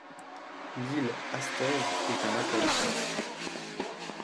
L'île Astove est un atoll.